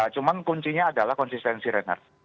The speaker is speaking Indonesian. cuman kuncinya adalah konsistensi reinhardt